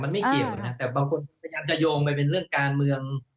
มันไม่เกี่ยวนะแต่บางคนพยายามจะโยงไปเป็นเรื่องการเมือง